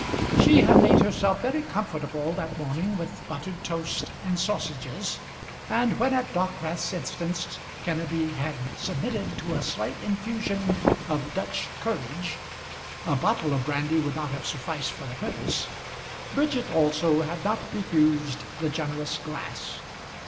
She had made herself very comfortable that morning with buttered toast and sausages; and when at Dockwrath's instance Kenneby had submitted to a slight infusion of Dutch courage, a bottle of brandy would not have sufficed for the purpose, Bridget also had not refused the generous glass.